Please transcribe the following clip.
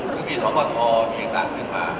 จึงที่ธรรมศาสตร์มีอังกฎขึ้นมา